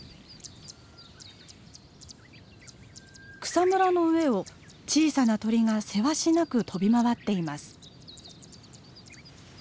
草むらの上を小さな鳥がせわしなく飛び回っています。